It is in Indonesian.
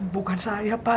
bukan saya pak